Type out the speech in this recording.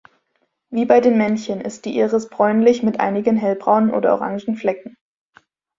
Wie bei den Männchen ist die Iris bräunlich mit einigen hellbraunen oder orangen Flecken.